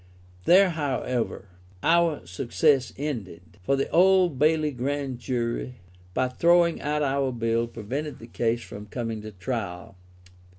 There, however, our success ended, for the Old Bailey Grand jury by throwing out our bill prevented the case from coming to trial.